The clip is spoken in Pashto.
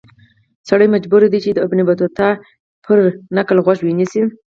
سړی مجبور دی چې د ابن بطوطه پر نکل غوږ ونیسي.